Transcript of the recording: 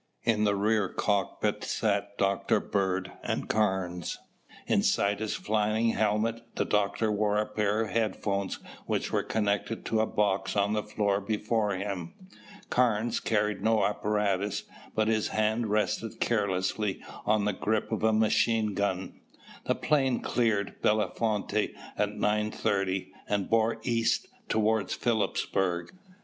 In the rear cockpit sat Dr. Bird and Carnes. Inside his flying helmet, the doctor wore a pair of headphones which were connected to a box on the floor before him. Carnes carried no apparatus but his hand rested carelessly on the grip of a machine gun. The plane cleared Bellefonte at nine thirty and bore east toward Philipsburg.